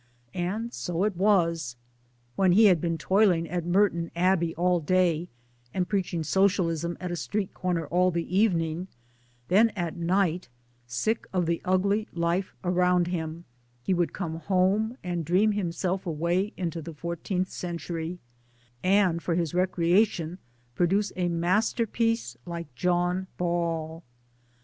And so it was. When he had been toiling at Merton Abbey all day, and preach ing Socialism at a street corner all the evening, then at night sick of the ugly life around him he would come home and dream himself away into the four teenth century, and for his recreation produce a masterpiece like John Ball.